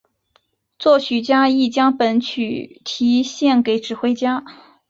作曲家亦将本曲题献给指挥家。